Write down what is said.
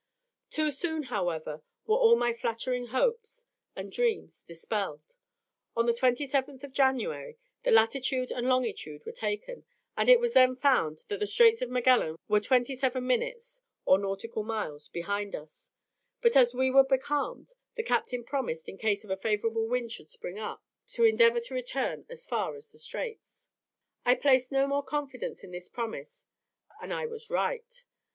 Too soon, however, were all my flattering hopes and dreams dispelled. On the 27th of January the latitude and longitude were taken, and it was then found that the Straits of Magellan were twenty seven minutes (or nautical miles) behind us, but as we were becalmed, the captain promised, in case a favourable wind should spring up, to endeavour to return as far as the Straits. I placed no more confidence in this promise, and I was right.